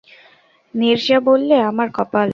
নীরজা বললে, আমার কপাল।